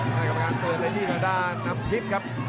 กรรมการเตือนในที่ดาดานับทีมครับ